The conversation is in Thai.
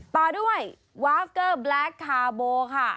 ต่อด้วยวาฟเกอร์แบล็คคาร์โบค่ะ